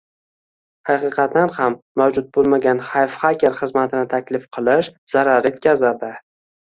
haqiqatan ham mavjud bo'lmagan xayf -xaker xizmatini taklif qilish zarar etkazadi